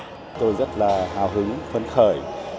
tôi rất là hào hứng phấn khởi